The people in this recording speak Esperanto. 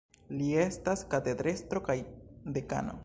Li estas katedrestro kaj dekano.